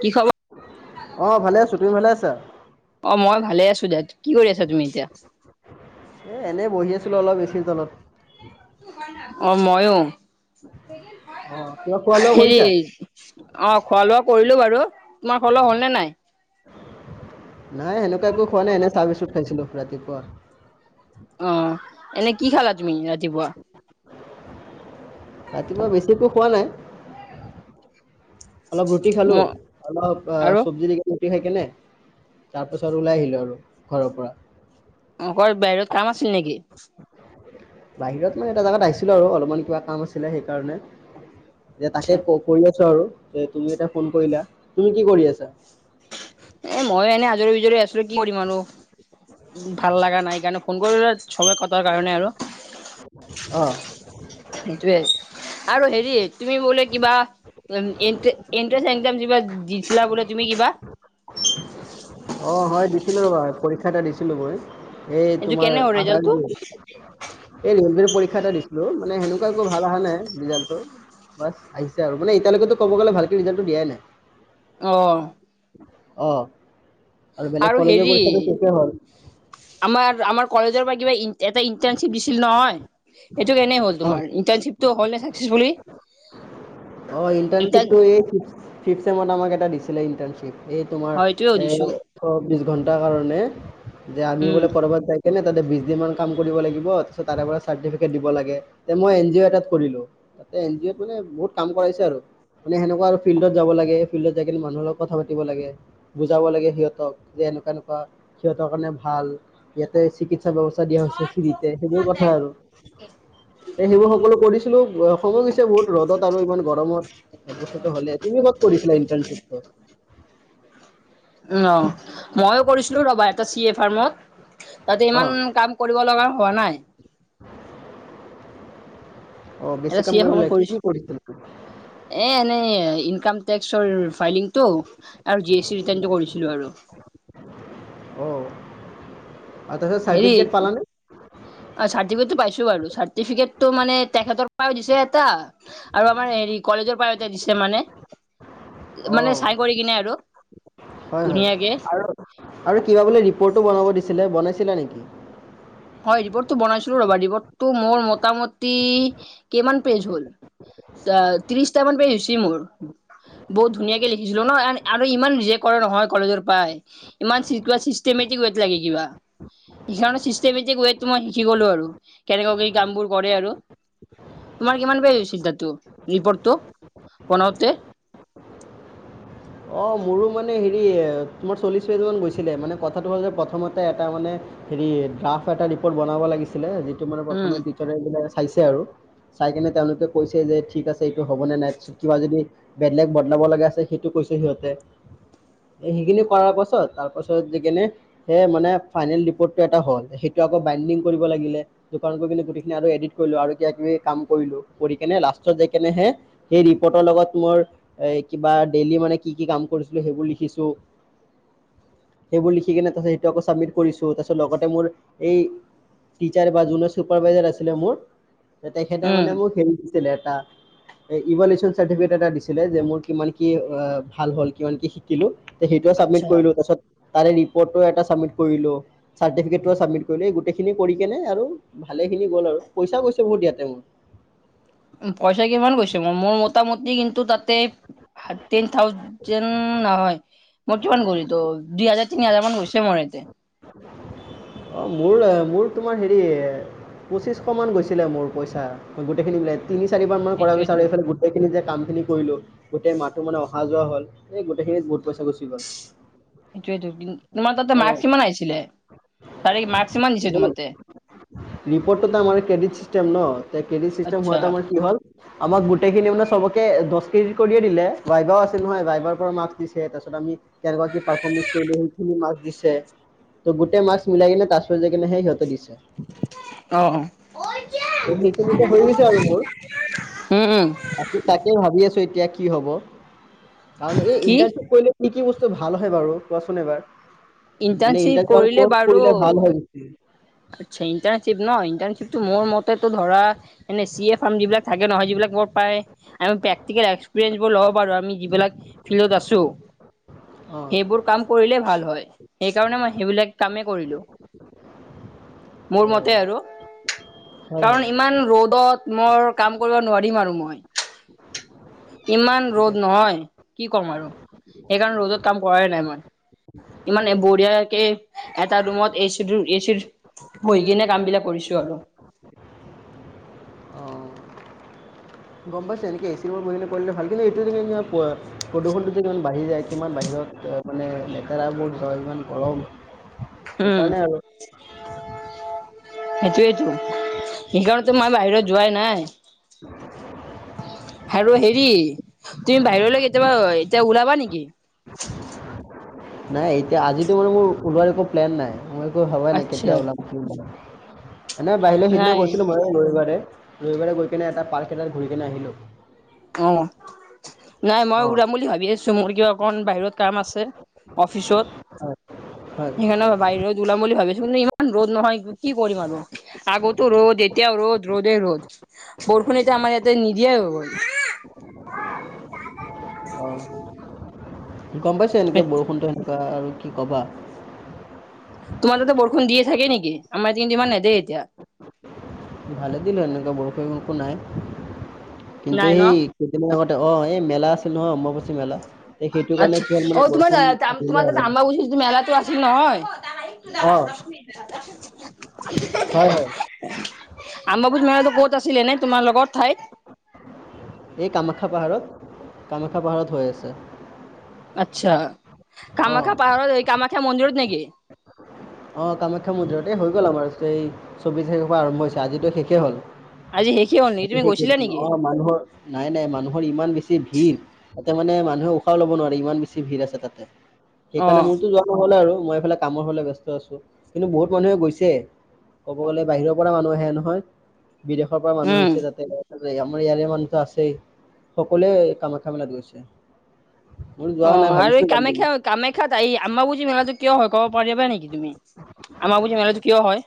কি খবৰ? অ' ভালে আছো। অ' মই ভালে আছো দে। কি কৰি আছা তুমি এতিয়া? এ এনেই বহি আছিলো অলপ এছিৰ তলত। অ' ময়ো। অঁ কিবা খোৱা লোৱা হেৰি, কৰিছা অ' খোৱা-লোৱা কৰিলো বাৰু! তোমাৰ খোৱা-লোৱা হ'ল নে নাই? নাই সেনেকুৱা একো খোৱা নাই, এনেই চাহ বিস্কুট খাইছিলো ৰাতিপুৱা। অ' এনে কি খালা তুমি ৰাতিপুৱা? ৰাতিপুৱা বেছি একো খোৱা নাই। অলপ ৰুটি খালো, ম অলপ অ আৰু চব্জি [unintelligible] খাই কেনে তাৰ পাছত ওলাই আহিলো আৰু ঘৰৰ পৰা। অ' ক [unintelligible] বাহিৰত কাম আছিল নেকি? বাহিৰত মানে এটা জাগাত আহিছিলো আৰু, অলপমান কিবা কাম আছিলে সেইকাৰণে। যে আচ্ছা তাকে কৰি আছো আৰু। যে তুমি এটা ফোন কৰিলা। তুমি কি কৰি আছা? এ ময়ো এনে আজৰি বিজৰি আছো। কি কৰিম আৰু! ভাল লগা নাই কাৰণে ফ'ন কৰিলো। চবে কথাৰ কাৰণে আৰু। অঁ সেইটোয়ে, আৰু হেৰি তুমি বোলে কিবা এন্ট্ৰেন্ঞ্চ একজাম যিবা দিছিলা বোলে তুমি কিবা? অ' হয় দিছিলো ৰ'বা। পৰীক্ষা এটা দিছিলো মই। এই এইটো তোমাৰ কেনে হ'ল ৰিজাল্টটো? এই ৰিক্ষা এটা দিছিলোঁ, মানে হেনেকোৱা একো ভাল অহা নাই ৰিজাল্ট। বাছ আহিছে আৰু, মানে এতিয়ালৈকেতো ক'ব গ'লে ভালকে ৰিজাল্টটো দিয়াই নাই। অ'। অ' আৰু বেলেগ কলেজৰ পৰীক্ষাটো শেষেই হ'ল। আমাৰ-আমাৰ কলেজৰ পৰা কিবা, ‌এটা ইন্টাৰ্ণশ্বিপ দিছিল নহয়! সেইটো কেনেই হ'ল অ তোমাৰ? ইণ্টাৰনশ্বিপটো হ'ল নে চাক্সেছফুলি? অ' ইণ্টাৰ্ণশ্বিপটো এই ফিফট চেমত এটা দিছে। দিছিলে ইণ্টাৰ্ণশ্বিপ। এই তোমাৰ হয় এইটোৱে সুধিছো এই [unintelligible] ঘণ্টাৰ কাৰণে। যে আমি উম বোলে ক'ৰবাত যাই কেনে তাতে বিশ দিনমান কাম কৰিব লাগিব। তাৰপিছত তাৰেপৰা চাৰ্টিফিকেট দিব লাগে। মই এনজিঅ' এটাত কৰিলো। তাতে এনজিঅ' ত মানে বহুত কাম কৰাইছে আৰু। মানে সেনেকুৱা আৰু ফিল্ডত যাব লাগে, ফিল্ডত যাই কিনে মানুহৰ লগত কথা পাতি ব লাগে, বুজাব লাগে সিহঁতক। যে এনেকুৱা এনেকুৱা, সিহঁতৰ কাৰণে ভাল। সিহঁতে চিকিৎ ব্যৱস্থা দিয়া হৈছে ফ্ৰীতে, সেইবোৰ কথা আৰু। এ সেইবোৰ সকলো কৰিছিলো বহুত ৰ'দত আৰু ইমান গৰমত, এক বছৰো হ'লেই। তুমি ক'ত কৰিছিলা ইন্টাৰনশ্বিপটো? অ' মইয়ো কৰিছিলো ৰ'বা এটা চিএ ফাৰ্মত। তাতে অ ইমান কাম কৰিব লগা হোৱা নাই। অ বেছি এটা কাম কৰিব লাগে [unintelligible] কি কি কৰিছিলা কৰিছো। এ এনেই ইনকাম টেক্সৰ ফাইলিংটো আৰু জিএছটি ৰিটাৰণটো কৰিছিলো আৰু। অ আৰু তাৰছত চাৰ্টিফিকেট পালা নে? অ' চাৰ্টিফিকেটটো পাইছোঁ বাৰু। চাৰ্টিফিকেটটো মানে তেখেতৰ পৰাও দিছে এটা আৰু আমাৰ হেৰি ক লেজৰ পৰাও এটা দিছে মানে। অ মানে চাই কৰি কিনে আৰু। হয় হয় ধুনীয়াকে। আৰু আৰু কিবা বোলে ৰিপৰ্টো বনাব দিছিলে। বনাইছিলা নেকি? হয় ৰিপৰ্টটো বনাইছিলোঁ ৰ'বা। ৰিপৰ্টটো মোৰ মোটামুটি কেইমান পেজ হ'ল ছ- অ'- ত্ৰিশটামান পেজ হৈছি মোৰ। বহুত ধুনীয়াকে লিখিছিলোঁ ন'। আৰু ইমান নিজে কৰে নহয় কলেজৰ পাই ইমান ছি- কিবা ছিষ্টৈমেটিকত লাগে কিবা। সিকাৰণে টোৱে মই শিকি গ'লো আৰু। কেনেকুৱা কি কামবোৰ কৰে আৰু। তোমাৰ কিমান পেজ হৈছি দাৰটো? ৰিপৰ্টটো? বনাওতে? [unintelligible] অ' মোৰো মানে হেৰি তোমাৰ চল্লিশ পেজমান গৈছিলে, মানে কথাটো হ'ল যে প্ৰথমতে এটা মানে হেৰি ড্ৰাফ এটা ৰিপ'ৰ্ট বনাব লাগিছিলে, যিটো মানে উম প্ৰথমে টিচাৰেবিলাকে চাইছে আৰু। চাই কেনে তেওঁলোকে কৈছে যে, ঠিক আছে। এইটো হ'ব নে নাই। তিছত কিবা যদি বেদলেগ বদলাব লগা আছে সে ইটো কৈছে সিহঁতে। সেইখিনি কৰাৰ পাছত। তাৰ পাছত দি কেনে সেই মানে ফাইনেল ৰিপৰ্টটো এটা হ'ল। সেই টো আকৌ বাইণ্ডিং কৰিব লাগিলে। দোকানত গৈ কেনে গোটেইখিনি আৰু এডিট কৰিলোঁ। আৰু কিবা-কিবি কাম কৰিলোঁ। কৰি কেনে লাষ্ট ত যাইকেনে হে সেই ৰিপোৰ্টৰ লগত মোৰ এই কিবা ডেইলি মানে কি - কি কাম কৰিছিলোঁ সেইবোৰ লিখিছোঁ। সেইবোৰ লিখিকেনে তাৰপিছত সেইটো আকৌ ছাবমিট কৰিছোঁ। তাৰপিছত লগতে মোৰ এই টিচাৰ বা যোনে চুপাৰভাইজাৰ আছিলে মোৰ, তেখেতে উম মানে মোক ছিলে এটা। এ- ইভল্যুশন চাৰ্টিফিকেট এটা দিছিলে যে, মোৰ কিমান কি অ' ভাল হ'ল, কিমান কি শিকিলোঁ। তো সেইটোও ছাবমিট আচ্ছা কৰিলোঁ। তাৰছত তাৰে ৰিপৰ্টটোও এটা ছাবমিত কৰিলোঁ। চাৰ্টিফিকেতটো ছাবমিত কৰিলোঁ। এই গোটেইখিনি কৰিকেনে আৰু ভাল খিনি গ'ল আৰু। পইচা গৈছে বহুত ইয়াতে মোৰ। উম, পইচা কিমান গৈছে? মোৰ মোটামুটি কিন্তু তাতে থাৰটিন থাউজেন নহয়, মোৰ কিমান গ'ল এইটো- দুই হাজাৰ-তিনি হাজাৰ মান গৈছে মোৰ এতে। অ' মোৰ অ'- মোৰ তোমাৰ হেৰি পঁচিছশমান গৈছিলে মোৰ পইচা। মই গোটেইখিনি মিলাই তিনি-চাৰিবাৰ মান কৰা পিছত সেইটোৱেতো আৰু এইফালে গোটেইখিনি যে কামখিনি কৰিলোঁ, গোটেই মাহটো মানে অহা যোৱা হ'ল। এই গোটেইখিনিত বহুত পইচা গুচি গ'ল। এইটোৱেটো। তোমাৰ তাতে অঁ মাক্স কিমান আহিছিলে? তাৰে মা [unintelligible] ৰিপৰ্টটো তাৰমানে ক্ৰেডিট চিষ্টেম ন' তে ক্ৰেডিট চিষ্টেম আচ্ছা হোৱাত তাৰমানে কি হ'ল আমাক গোটেইখিনি মানে চবকে দছ ক্ৰেডিত কৰিয়ে দিলে। ভাইবাও আছে নহয়? ভাইবাৰ পৰা মাৰ্কছ দিছে। তাৰছত আমি কেনেকুৱা কি পাৰফমেঞ্চ কৰিলোঁ, সেইখিনি মাৰ্ক্স দিছে। তো গোটেই মাৰ্ক্স মিলাই কেনে জাই কেনে হে সিহঁতে দিছে। অ' - অ'। অ' সেইখিনিতো হৈ গৈছে আৰু মোৰ। উম উম আকৌ তাকে ভাবি আছোঁ এতিয়া কি হ'ব। কাৰণ এই কি ইণ্টাৰ্নশ্বিপ কৰিলে কি - কি বস্তু ভাল হয় বাৰু? কোৱাচোন এবাৰ। মানে ইণ্টাৰ্ণশ্বিপ ইটাৰ [unintelligible] কৰিলে ক'ত বাৰু কৰিলে ভাল হয় বেছি আচ্ছা, ইণ্টাৰ্নশ্বিপ ন'? ইণ্টাৰ্নশ্বিপটো মোৰ মতেতো ধৰা এনে চি এ ফাৰ্ম যিবিলাকে নহয়, যিবিলাক বৰ পায়। আমি প্ৰেক্টিকেল এক্সপিৰিয়েঞ্চবোৰ ল'ব পাৰোঁ, আমি যিবিলাক ফিল্ডত আছোঁ। অ সেইবোৰ কাম কৰিলে ভাল হয়। সেইকাৰণে মই সেইবিলাক কামে কৰিলোঁ। মোৰ অ মতে আৰু। হয় হয় কাৰণ ইমান ৰ'দত মোৰ কাম কৰিব নোৱাৰিম আৰু মই। ইমান ঠিকে ৰ'দ নহয়? কি কম আৰু। সেইকাৰণে ৰ'দত কাম কৰাই নাই মই। ইমান বঢ়িয়াকে এটা ৰুমত এচি এচিটো। বহি কিনে কাম বিলাক কৰিছো আৰু। অ গম পাইছে এনেকে এ চি ৰুমত কৰিলে ভাল কিন্তু এইটো প্ৰদূষণটো যে কিমান বাঢ়ি যায় কিমান বাহিৰত। ত মানে লেতেৰাবোৰ ইমান গৰম উম সেইকাৰণে আৰু। [unintelligible] সেইটোয়েইটো এইকাৰণে মই বাহিৰত যোৱাই নাই। [unintelligible] আৰু হেৰি তুমি বাহিৰলৈ কেতিয়াবা এতিয়া ওলাবা নেকি। নাই এতিয়া আজিটো মানে মোৰ ওলোৱাৰ একো প্লেন নাই মই একো ভবা নাই কেতিয়া আচ্ছা ওলাম। ন নাই বাহিৰে সেইদিনা নাই গৈছিলো মই ৰবিবাৰে ৰবিবাৰে গৈ কেনে এটা পাৰ্ক এটাত ঘূৰি কেনে আহিলো। অ নাই মই অঁ উৰাম বুলি ভাবি আছো। মোৰ কিয় অকন বাহিৰত কাম আছে অফিচত হয় হয় সেইকাৰণে বাহিৰত। ওলাম বুলি ভাবিছো কিন্তু ইমান ৰ'দ নহয় কি কৰিম আৰু। আগতো ৰ'দ এতিয়াও ৰ'দ ৰ'দে ৰ'দ বৰষুণ এতি আমাৰ ইয়াতে নিদিয়াই হৈ গ'ল। অহ। গম পাইছে এনেকৈ বৰষুণটো সেনেকুৱা আৰু কি ক'বা। তোমাৰ তাতে বৰষুণ দিয়ে থাকে নেকি আমাৰতিয়া কিন্তু ইমান নেদে এতিয়া ভালে দিলো এনেকুৱা বৰষু বকো নাই। কিন্তু নাই ন সেই কেইদিনমান আগতে অ এই মেলা আছিল নহয় অম্বুচী মেলা। এ সেইটো কাৰণে আচ্ছা কি হল অ মানে তোমাৰ বৰষুণ দিলে তোমাৰ তাতে আৰু। আম্বাবুচি যিটো মেলাটো আছিল নহয় অ হয় হয়। আম্বাবুজ মেলটো ক'চ আছিলে নাই তোমাৰ লগত ঠাইত। এই কামাখ্যাপাহাৰত কামাখ্যাপাহাৰত হৈ আছে। আচ্ছা অ কামাখ্যা পাহ কামাখ্যা মঞজিুৰত নেকি। অ কামাখ্যা মন্দিৰত এই হৈ গ'ল আমাৰ এই চৌবিশ তাৰিখৰ পৰা আৰম্ভ হৈছে আজিতো শেষেই হ'ল। আজ হে অ মানুহৰ নাই নাই মানুহৰ ইমান বেছি ভিৰ। মানে মানুহে উশাহও লব নোৱাৰে ইমান বেছি ভিৰ আছে তাতে অ সেইকাৰণে মোৰতো যোৱা নহ'ল আৰু। মই এইফালে কামৰ হলে ব ব্যস্ত আছো কিন্তু বহুত মানুহে গৈছে। ক'ব গ'লে বাহিৰৰ পৰা মানুহ আহে নহয় বিদেশৰ পৰা মানুহ উম আহিছে। তাতে আমাৰ ইয়াৰে মানুহো আছেই সকলোৱে কামাখ মেলা গৈছে। মোৰ অ যোৱা নাই আৰু এই ভাবিছিলো যাম বুলি কামাখ্যা কামাখ্যাত এই আম্বাবুজী মেলাটো কিয় হয় কব পাৰিবা নেকি তুমিয়েই আমাক বুজি মেলটো উকিয় হয়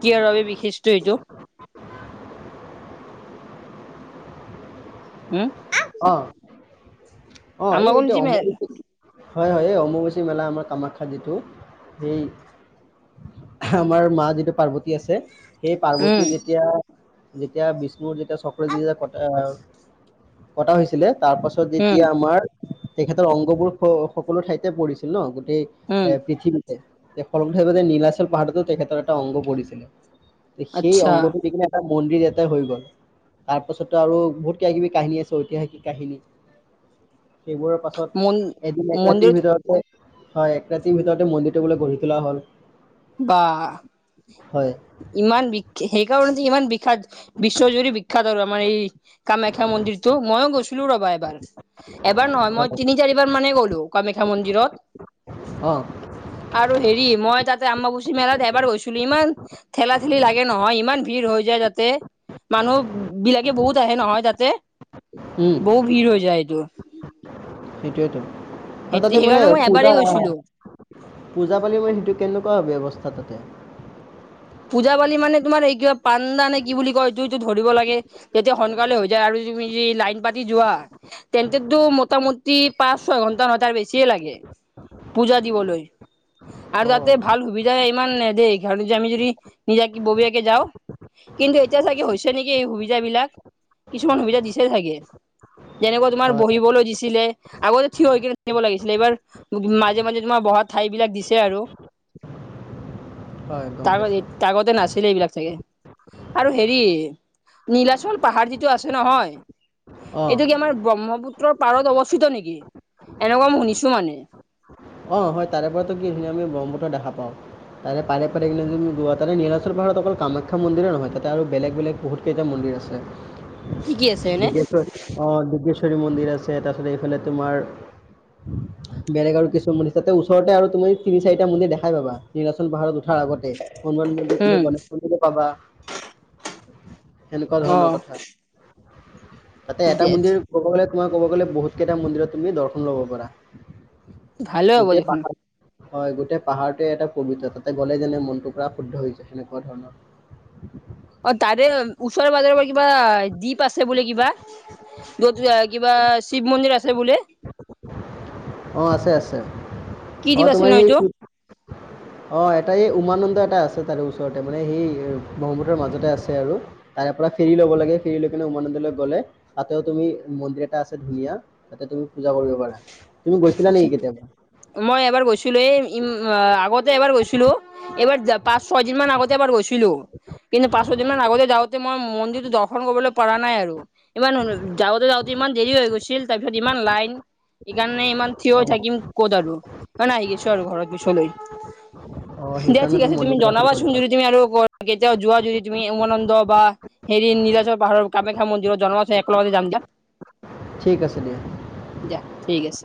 কি আৰু বাবে বিশিষ এইটো [unintelligible] উম, অ অ এই এটোয়া আম্বাবুজি মে অমাৰ। হয় হয় এই অম্ববাচী মেলা আমাৰ কামাখ্যা যিটো সেই আমাৰ মা যিটো পাৰ্বতী আছে।। ু সেই পাৰ্বতী উম, যেতিয়া যেতিয়া বিষ্ণুৰ যেতিয়া চক্ৰ যেতিয়া কটা আহল মই কটা হৈছিলে তাৰ পাছত উম, যেতিয়া আমাৰ তেখেতৰ অংগবোৰ সকলো ঠাইতে পৰিছিল ন গোটেই উম, এ পৃথিৱীতে। ফল নীলচল পাহাৰততেো তেখেতৰ এটা অংগ পৰিছিলে সেই আচ্ছা অংগটো দেখনে এটা। মন্দিৰ এটাাই হৈ গ'ল তাৰ পাছতো আৰু বহুত কিবা কিবি কাহিনী আছে ঐতিহাসিক কাহিনী সেইবোৰৰশ মন পাছত এদিন এক ৰাতিৰ মন্দিৰত ভিতৰতে হয় এক ৰাতিৰ ভিতৰতে মন্দিৰটো বোলে গঢ়ি তোলা হল বাহ। হয়। ইমান বি সেইকাৰণ ইমান বিখ্যাত বিশ্বজুৰি বিখ্যাত আৰু আমাৰ এই কামাখ্যা মন্দিৰটো। মইো গৈছিলো ৰবা এবাৰ এবাৰ নহয় হয় মই তিনি চাৰিবাৰ মানে গ'লো কামাখ্যা মন্দিৰত। অ। আৰু হেৰি মই তাত তাতে আম্ববুচি মেলাত এবাৰ গৈছিলো ইমান ঠেলাঠেলি লাগে নহয় ইমান ভিৰ হৈ যাতে মানুহ বিলাকে বহুত আহে নহয় তাতে। উম বহু ভিৰ হৈ যায় টো। সেইটোৱেতো আৰু তাতে মানে পূজা- পূজা পালি মানে সেইটো কেনেকুৱা ব্যৱস্থা তাতে পূজা -পালি মানে তোমাৰ এই কিবা পাণ্ডা নে কি বুলি কয় এইটোটো ধৰিব লাগে তেতিয়া সোনকালে হৈ যায় আৰু [unintelligible] লাইন পাত যোৱা তেন্তেতো মোটামুটি পাঁচ -ছয় ঘন্টা নহয় তাৰ বেছিয়ে লাগে। পূজা দিবলৈ, আৰু অ তাতে ভাল সুবিধা ইমান নেদে [unintelligible] আমি যদি নিজা ববীয়াকে যাও কিন্তু এতিয়া চাগে হৈছে নেকি এই সুবিধাবিলাক। কিছুমান সুবিধা দিছে ছাগে যেনেকুৱা তোমাৰ হয় বহিবলৈ দিছিলে আগতে থিয় হৈকেনে থাকিব লাগিছিলে এইবাৰ মাজে- মাজে তোমাৰ বহা ঠাই বিলাক দিছে আৰু হয়, একদম পাইছো। এ নাছিলে এইবিলাক চাগে। আৰু হেৰি নীলাচল পাহাৰ যিটো আছে নহয় অ এইটো কি আমাৰ ব্ৰহ্মপুত্ৰৰ পাৰত অৱস্থিত নেকি? এনেকুৱা মই শুনিছোঁ মানে। অহ, হয় তাৰে পৰাতো কি ধুনীয়া আমি ব্ৰহ্মপুত্ৰ দেখা পাওঁ। তাৰে পাৰে -পাৰে [unintelligible] যদি যোৱা তাৰে নীলাচল পাহাৰত অকল কামাখ্যা মন্দিৰে নহয় তাতে আৰু বেলেগ -বেলেগ বহুত কেইটা মন্দিৰ আছে কি কি আছে এনে দিবেশ্বৰী অহ দিবেশ্বৰী মন্দিৰ তাতে আছে এটা [unintelligible] এইফালে তোমাৰ বেলেগ আৰু কিছুমান [unintelligible] ওচৰতে আৰু তুমি তিনি, চাৰিটা মন্দিৰ দেখাই পাবা নিলাচল পাহাৰত উঠি। হয় আগতে হনুমান মন্দিৰ উম [unintelligible] গণেশ মন্দিৰো পাবা। সেনেকুৱা অ ধৰণৰ কথা। তাতে এটা মন্দিৰ কব গ'লে, তোমাৰ ক'ব গ'লে বহুত কেইটা মন্দিৰত তুমি দৰ্শন ল'ব পাৰা। ভালে হ'ব গোটেই দেখোন পাহাৰ হয়, গোটেই পাহাৰটোৱে এটা পবিত্ৰ। তাতে গ'লে যেনে মনটো পুৰা শুদ্ধ হৈ যাই সেনেকুৱা ধৰণৰ [inaudible] অহ, তাৰে ওচৰে -পাজৰে বা কিবা দ্বীপ তা আছে বোলে কিবা য'ত কিবা শিৱ মন্দিৰ আছে বোলে অহ, আছে -আছে কি অহ দ্বীপ আছিল তোমাৰ ন এই এইটো অহ, এটাই এই উমানন্দ আছে তাৰে ওচৰতে মানে সেই ব্ৰহ্মপুত্ৰ মাজতে আছে আৰু তাৰে পৰা ফেৰী ল'ব লাগে ফেৰী লৈ উমানন্দলৈ গ'লে তাতেও তুমি মন্দিৰ এটা আছে ধুনীয়া তাতে তুমি পূজা কৰিব পাৰা, তুমি গৈছিলা আচ্ছা নেকি কেতিয়াবা মই এবাৰ গৈছিলোঁ এই আগতে এবাৰ গৈছিলোঁ এবাৰ পাঁচ- ছয় দিন মান আগতে এবাৰ গৈছিলোঁ। কিন্তু, পাঁচ- ছয় দিন মান আগতে যাওঁতে মই মন্দিৰটো দৰ্শন কৰিবলৈ পাৰা নাই আৰু ইমান মানুহ যাওঁতে -যাওঁতে ইমান দেৰি হৈ গৈছিল তাৰপিছত ইমান লাইন সেইকাৰণে ইমান থিয় হৈ থাকিম ক'ত আৰু সেইকাৰণে আহি গৈছোঁ আৰু ঘৰত পিছলৈ। অহ, সেই দিয়া ঠিক আছে তুমি জনাবাচোন যদি তুমি আৰু কেতিয়াওঁ যোৱা যদি তুমি উমানন্দ বা হেৰি নীলাচল পাহাৰৰ কামাখ্যা মন্দিৰত জনাবাচোন একেলগতে যাম দিয়া। ঠিক আছে দিয়া। ইয়েছ